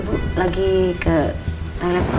ibu lagi ke thailand nanti